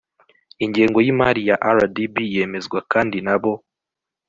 ingengo y imari ya rdb yemezwa kandi nabo